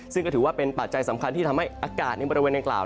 ซึ่งก็ถือว่าเป็นปัจจัยสำคัญที่ทำให้อากาศในบริเวณดังกล่าว